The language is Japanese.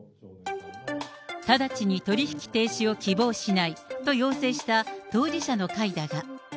直ちに取り引き停止を希望しないと要請した当事者の会だが。